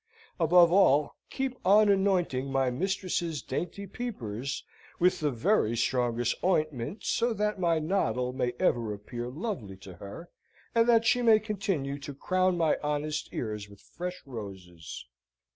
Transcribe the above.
Above all, keep on anointing my mistress's dainty peepers with the very strongest ointment, so that my noddle may ever appear lovely to her, and that she may continue to crown my honest ears with fresh roses!